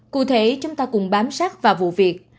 cụ thể chúng ta cùng bám sát vào vụ việc